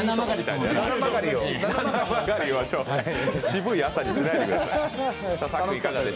渋い朝にしないでください。